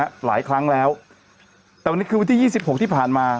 หลายครั้งแล้วแต่วันนี้คือวันที่ยี่สิบหกที่ผ่านมา